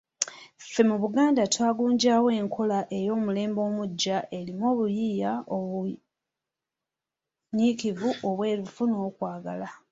Ffe mu Buganda twagunjawo enkola ey'omulembe omuggya erimu obuyiiya, obunyiikivu, obwerufu, n'okwagala.